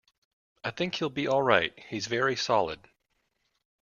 I think he’ll be all right. He’s very solid.